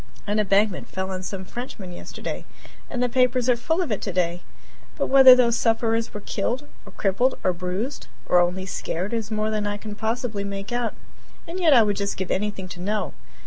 An embankment fell on some Frenchmen yesterday, and the papers are full of it today but whether those sufferers were killed, or crippled, or bruised, or only scared is more than I can possibly make out, and yet I would just give anything to know.